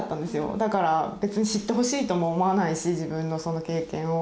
だから別に知ってほしいとも思わないし自分のその経験を。